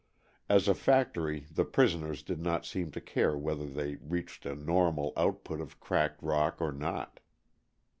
As a factory the prisoners did not seem to care whether they reached a normal output of cracked rock or not.